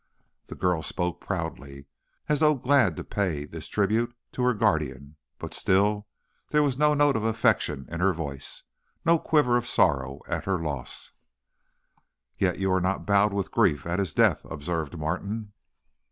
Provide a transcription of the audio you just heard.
The girl spoke proudly, as though glad to pay this tribute to her guardian, but still, there was no note of affection in her voice, no quiver of sorrow at her loss. "Yet you are not bowed with grief at his death," observed Martin.